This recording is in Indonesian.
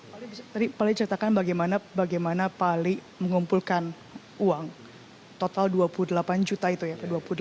pak ali pak ali ceritakan bagaimana pak ali mengumpulkan uang total dua puluh delapan juta itu ya dua puluh delapan enam